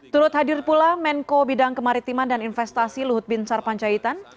turut hadir pula menko bidang kemaritiman dan investasi luhut bin sarpancaitan